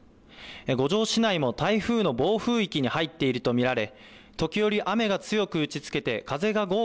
五條市内も台風の暴風域に入っていると見られ、時折、雨が強く打ちつけて、風がごー